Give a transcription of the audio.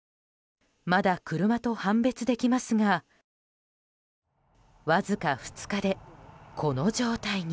まだ車と判別できますがわずか２日で、この状態に。